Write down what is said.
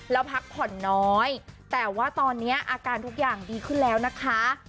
แล้วพักผ่อนน้อยแต่ว่าตอนนี้อาการทุกอย่างดีขึ้นแล้วนะคะ